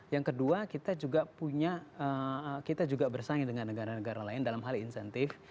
yang kedua kita juga punya kita juga bersaing dengan negara negara lain dalam hal insentif